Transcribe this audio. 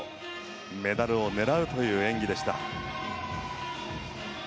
メダルを狙うという演技でした。